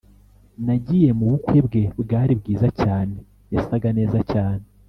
Nagiye mubukwe bwe bwari bwiza cyane yasaga neza cyane